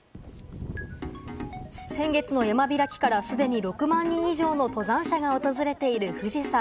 先月の山開きから既に６万人以上の登山者が訪れている富士山。